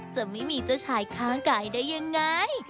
จะไม่มีเจ้าชายข้างกายได้ยังไง